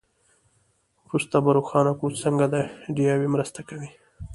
وروسته به روښانه کړو چې څنګه دا ایډیاوې مرسته کوي.